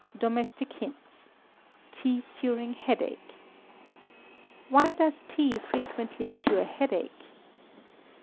Domestic Hints (Tea Curing Headache). _Why does tea frequently cure headache?